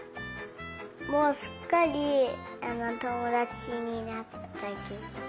もうすっかりともだちになった。